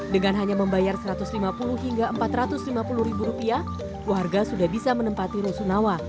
dengan hanya membayar rp satu ratus lima puluh hingga rp empat ratus lima puluh warga sudah bisa menempati rusunawa